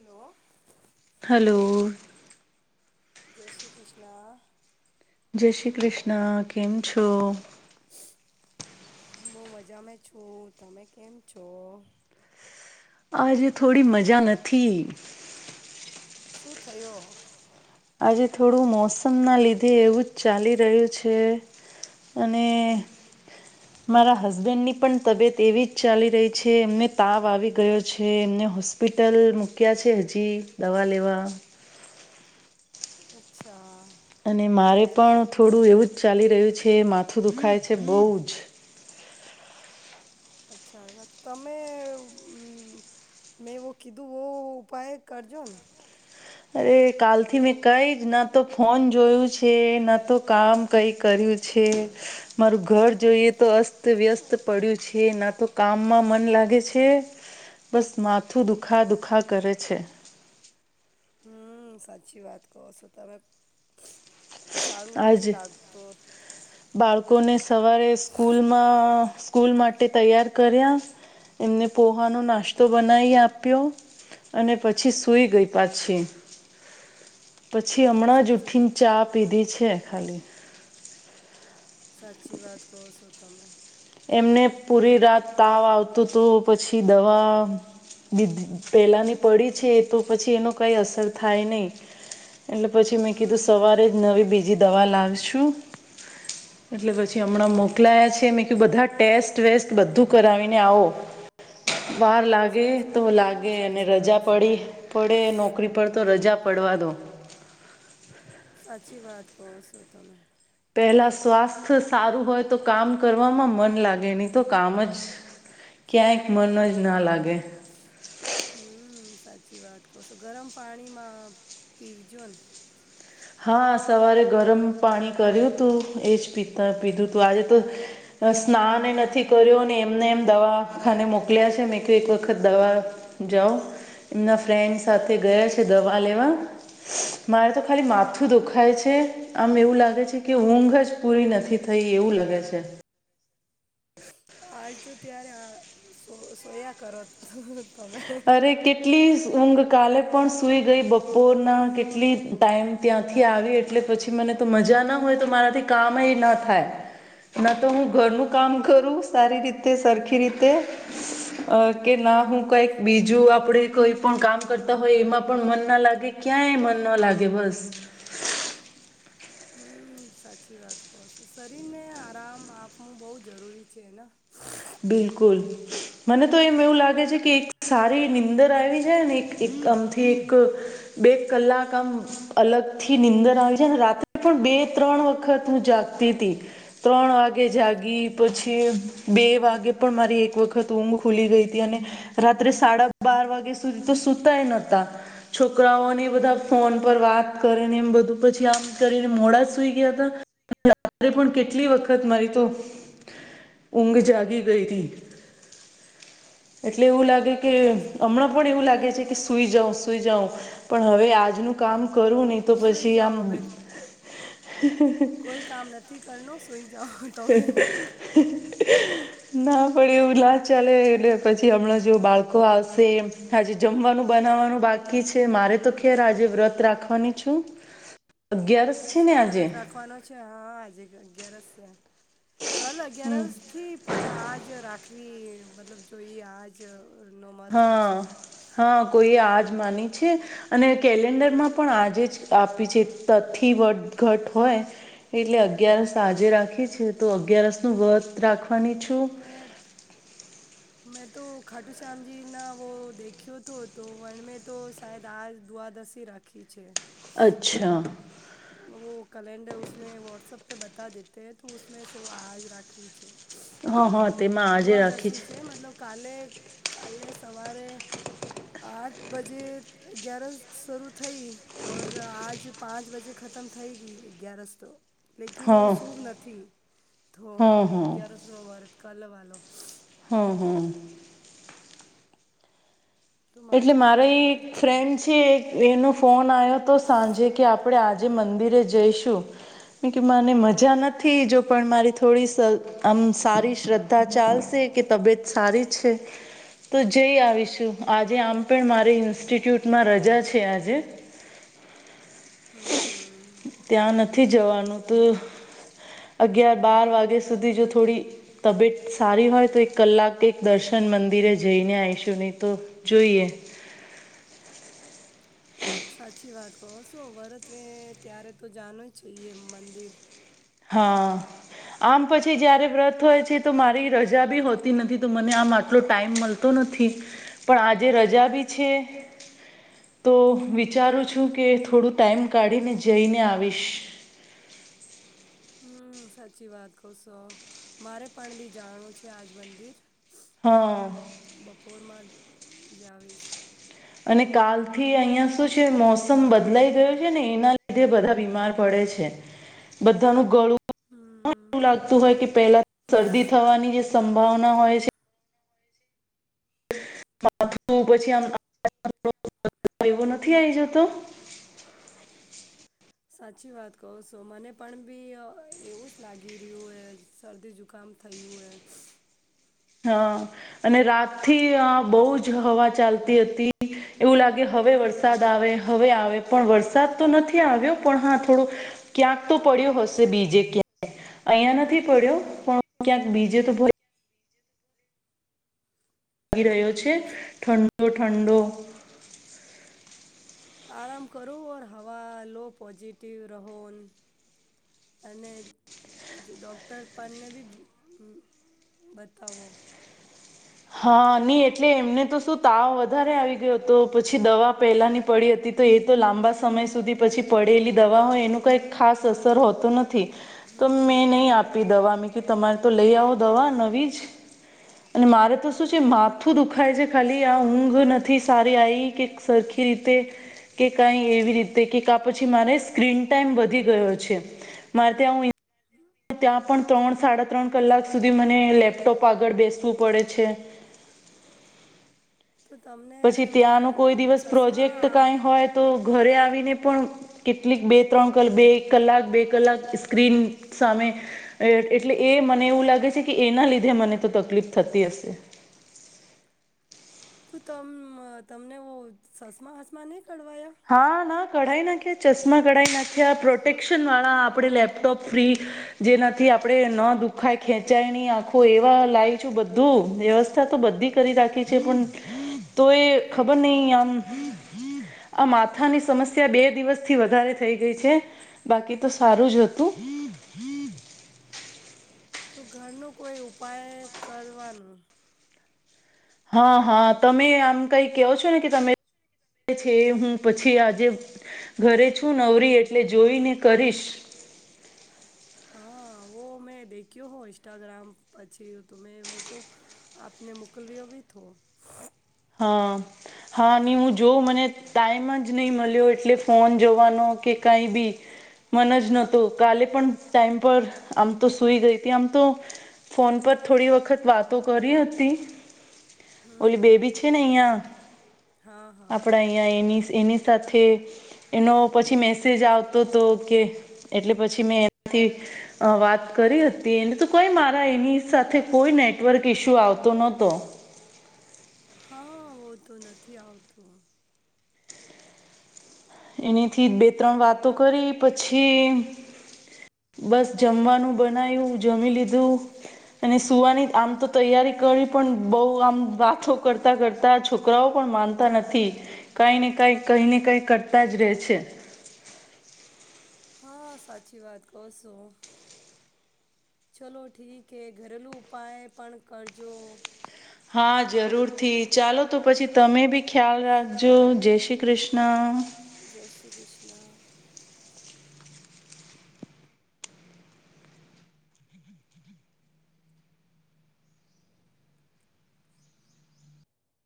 Hello. Hello. જય શ્રી કૃષ્ણ. જય શ્રી કૃષ્ણ. કેમ છો? હું મજામાં છું. તમે કેમ છો? આજે થોડી મજા નથી. શું થયો? આજે થોડું મોસમ ના લીધે એવું જ ચાલી રહ્યું છે. અને હ. [unintelligible] મારા હસબેન્ડની પણ તબિયત એવી જ ચાલી રહી છે, એમને તાવ આવી ગયો છે, એમને હો હોસ્પિટલ મૂક્યા છે, હજી દવા લેવા અચ્છા. અને મારે પણ થોડું એવું જ ચાલી રહ્યું છે, માથું દુખાય છે બહુ જ. અચ્છા અ તમે મેં એવું કીધું વ ઉપાય કરજો ને. અરે કાલ થી મેં કઈ જ ના તો ફોન જોયું છ કે ન તો કામ કઈ કર્યું છે. મારું ઘર જોઈએ તો અસ્ત વ્યસ્ત પડ્યું છે. ના તો કામમાં મન લાગે છે બસ માથ માથું દુઃખા દુખા કરે છે. હમમ સાચી વાત કહો છો તમે સારું આજ નથી લાગતું. બાળકોને સવારે સ્કૂલમાં સ્કૂલ માટે તૈયાર કર્યા. એમને પોહાનો નાસ્તો બનાવી આપ્યો. અને પછી સુઈ ગઈ પાછી. [inaudible] પછી હમણાં જ સાચી વાત ઉઠીને ચા પીધી છે ખાલી. સાચી વાત કહો છો તમે. એમને પૂરી રાત તાવ આવતું તું પછી દવા બ પહેલાની પડી છે તો પછી એનો કઈ અસર થાય નય. એટલે પછી મેં હમ કીધું હમ સવારે જ નવી બી બીજી દવા લાવશું એટલે પછી હમણાં મોકલાયા છે ને કે બધા ટેસ્ટ, વેસ્ટ બધું કરાવીને આવો. વાર લાગે સાચી તો વાત હા લાગે અને સાચી રજા વાત છે. પડી. પડે નોકરી પર તો રજા પડવા દો. સાચી વાત કહો છો તમે. પેહલા સ્વાસ્થ્ સારું હોય તો કામ કરવામાં મન લાગે ની તો કામ જ ક્યાંક મન જ ન લાગે. હમમ સાચી વાત કો છો ગરમ પાણીમાં પીવજો ને. હા સવારે ગરમ પાણી કર્યું તું એજ પીતા પીધું હતું. આજે તો અ સ્નાન એ નથી કર્યું અને એમને એમ દવાખાને મોકલ્યા છે કે એક વખત દવા જાઓ. એમના ફ્રેન્ડ સાથે ગયા છે દવા લેવા મારે તો ખાલી માથું માથું દુખાય છે આમ એવું લાગે છે કે ઊંઘ જ પૂરી નથી થઈ એવું લાગે છે. આજ તો ત્યારે અ સો સોયા કરત તમે. અરે કેટલી ઊંઘ કાલે પણ સુઈ ગઈ બપોરના કેટલી ટાઈમ ત્યાંથી આવયે એટલે પછી મને તો મજા ના હોય તો મારાથી કામ એ ન થાય. ના તો હું ઘરનું કામ કરું સારી રીતે, સરખી રીતે અ કે ન હું કઈક બીજું આપડે કઈ પણ કામ કરતા હોય એમાં પણ મન ના લાગે, ક્યાંય મન ના લાગે બસ. હમમ સાચી વાત કહો છો. શરીરને આરામ આપવું બો જરૂરી છેને. બિલકુલ. મને તો એમ એવું લાગે છે કે એક સારી નીંદર આવી જાય ને એક આમથી એક બે કલાક આમ અલગ થી નિંદર આવી જાય ને રાત્રે પણ બે ત્રણ વખત હું જાગતી તી. ત્રણ વાગે જાગી પછી બે બે વાગે પણ મારી એક વખત ઊંઘ ખુલી ગઈ તી અને રાત્રે સાડા બાર વાગ્યા સુધી તો સુતાય નતા. છોકરાઓને હમ બધા ફોન પર વાત કરીને એમ બધું પછી આમ કરીને મોડા સુઈ ગયા તા. કાલે પણ કેટલી વખત મારી તો ઊંઘ જાગ જાગી ગયતી એટલે એવું લાગે કે સાચી વાત હમણાં કહો પણ એવું લાગે છે હમ કે સુઈ જઉં, સુઈ જાઉં પણ હવે આજનું હમ કામ કરું ની તો સુઈ પછી જાઓ આમ હવે થી કરણ સુઈતા હ ના પડે એવું ના ચાલે એટલે પછી હમણાં જે બાળકો આવશે હજે જમવાનું બનાવવાનું બાકી છે મારે તો ખેર આજે વ્રત રાખવાની છું. બ અગિયારસ છે ને શું આજે વ્રત રાખવાનો છે હા આજે અગિયારસ છે કલ હમ અગિયારસ. નથી પણ આ જ રાખવી મતલબ જોઈએ આજ નો મહત્ત્વ હા છે. હા કોઈએ આજ માની છે. અને કેલેન્ડર માં પણ આજે જ આપી છે તથી વ ઘટ હોય. એટલે અગયારસ આજે હા રાખી છે તો અગિયારસ નું વધ રાખવાની છુ. હદ મેં તો ખાટુ શ્યામજીી ના વ દેખ્યો હતો તો વર્ણ મેં તો શાયદ આજ દુ્વાદશી રાખ આખી છે. અચ્છા વ કેલેન્ડર ઉમે વ્ટ્સઅપ પે બતા દતેે તો ઉમે આજ રાખવી છે. હ હા તેમાં આજે રાખી દ્વાદશી છે, મતલબ કાલે કાલે સવારે આઠ બજે અગિયાર શરૂ થઈ ઓર આજ પાંચ બજે ખતમ થઈ ગઈ અગિયારસ તો લકિ વ હા સૂભ નથી તો હા હા અગયારસો નવ ભારત કલ વાાલો હમ હમ તો એટલે બી મારે વ્રત એ જ છે ફ્રેન્ડ્સ પછ એનો ફોન આવ્યો તો સાંજે કે આપણે આજે મંદિરે જઈશું. એમ કે મને હમ મજા નથ, થી જો પણ મારી થોડી આમ સારી શ્રદ્ધા ચાલશે કે તબિયત સારી છે. તો જઈ આવીશું આજે આમ પણ મારી ઇન્સ્ટિટ્યૂટમાં રજા છે. આજે હમ હમ ત્યાં નથી જવાનું તો અગિયાર બાર વાગ્યા સુધી જો થોડી. તબિયત સારી હોય તો એક કલાક એક દર્શન મંદિરે જઈને આવીશું નહીં તો જોઈએ સાચી વાત તોશો વરતવે ત્યારે તો જાણ્યું છે. એ મંદિર હા આમ પછી જયારે વ્રત હોય છે. તો મારી રજા બી હોતી નથી તો મને આમ આટલો ટાઈમ મળતો તો નથી પણ આજે રજા બી છે. તો વિચારું છું. કે થોડું ટાઈમ કાઢીને જઈને આવીશ હમ સાચી વાત કશો મારે પણ બી જાણું છે. આજ મંદિર હા બપોરમાં જાવીશ અને કાલ થી અહંયા શું છે. મોસમ બદલાઈ ગયો છે. ને એના લીધે બધા બીમાર પડે છે. બધાનું ગળું. ને હમ એવું લાગતું હોય કે પહેલા શરદી થવાની જે સંભાવના હોય છે. માથું પછીમ એવું નથી આવી જતો સાચી વાત કહો છો. મને પણ બી એવું જ લાગી રહ્યું હ શરદી ઝુ કામ થયું હય હા અને રાત થી આ બહુ જ હવા ચાલતી હતી. એવું લાગે હવે હમ વરસાદ હમ આવે હવે આવે પણ વરસાદ તો નથી આવ્યો પણ હા થોડો ક્યાંક તો પડ્યો હશે બીજે ક્યાં અહીંયાં યા નથી પડ્યો પણ ક્યાંક બીજે તો ભ તો ભલે પડ્યો લાગી રહ્યો છે. ઠંડો ઠંડો ઠંડો આરામ કરો ઔર હવા લો પૉઝિટિવ રહો. અને જે ડૉક્ટર પણ ને બી બતાવો હા નહી એટલે એમને તો શું તાવ વધારે આવી ગયો હતો પછી દવા પહેલાની પડી હતી. તો એ તો લાંબા સમય સુધી પછી પડેલી દવા હોય એનું કંઈ ખાસ અસર હોતો નથી. તો હમ મેં નહી નથી હોવે આપી એમ દવા તમારે તો લઈ આવો દવા નવી જ અને મારે શું છે માથું દુખાય છે. ખાલી આ ઊંઘ નથી સારી આવી કે સરખી. રીતે કે કઈ એવી રીતે કે પછી મારે સ્ક્રીન ટાઈમ વધી ગયો છે. મારે ત્યાં આવું હમ ત્યાં પણ ત્રણ સાડા ત્રણ કલાક સુધી મને લેપટોપ આગળ બેસવું પડે છે. તો તમને પછી ત્યાંનું કોઈ દિવસ પ્રોજેક્ટ ચશ્મા કઈ હોય તો ઘરે આવીને પણ કેટલીક બે ત્રણ બે કલાક બે કલાક સ્ક્રીન સામે એટલે એ મને એવું લાગે છે. કે એના લીધે મને તો તકલીફ થતી હશે. તું તમ તમને સસમા હસમા નહીં કઢવાયા હા ના કઢાઈ નાખ્યા ચશ્મા કઢાઈ નાખ્યા પ્રોટેક્શનવાળા આપણે લેપટોપ ફ્રી જેનાથી આપડે ન દુખાય ખેંચાય ન આંખો એવા લાવી છું. બધું વ્યવસ્થા તો બધી કરી રાખી છે. પણ તો એ ખબર નહીં આમ આ માથાની સમસ્યા બે દિવસથી વધારે થઈ ગઈ છે. બાકી તો સારું જ હતુ. તો ઘરનો કોઈ ઉપાય કરવાનુ હા હા તમે આમ કઈ કેહો છો ને કે તમે છે હું પછી આજે ઘરે છું નવરી એટલે જોઈને કરીશ. હા વ મેં દેખ્યું હો ન્સ્ટાગ્રામ પછી તો મે મે ક આપને મુકલવયો ભી થ હા હા ન જો મને ટાઈમ જ નહીં મળ્યો એટલે ફોન જવાનો કે કાંઈ બી મન જ નતું કાલે પણ ટાઈમ પર આમ તો સુઈ ગઈ હતી આમ તો ફોન પર થોડી વખત વાતો કરી હતી હમ હમ હા હા આપડા અયા એની એની સાથે એનો પછી મેસેજ આવતો હતો કે એટલે પછી મેં એનાથી. અ વાત કરી હતી એને તો કઈ મારા એની સાથે કોઈ નેટવર્ક ઈશ્યુ આવતો નહતો. હા વ તો નથી આવતુ. એનીથી બે ત્રણ વાતો કરી પછી. બસ જમવાનું બનાવું જમી લીધુ. અને સુવાની આમ તો તૈયારી કરી પણ બઉ આમ વાતો કરતા કરતા છોકરા. છોકરાઓ પણ માનતા નથી કઈ ને કઈ કઈ ને કઈ કરતા જ રહે છે. હા સાચી વાત કહ છો. ચલો ઠીક હ ઘરેલુ ઉપાય પણ કરજો હા જરૂરથી ચાલો તો પછી તમે બી ખ્યાલ રાખજો જય શ્રી કૃષ્ણ ન [unintelligible] જય શ્રી કૃષ્ણ